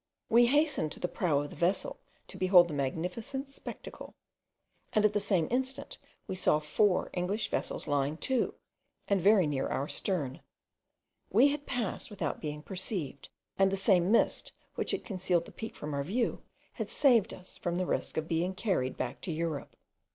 We hastened to the prow of the vessel to behold the magnificent spectacle, and at the same instant we saw four English vessels lying to, and very near our stern. We had passed without being perceived, and the same mist which had concealed the peak from our view, had saved us from the risk of being carried back to Europe.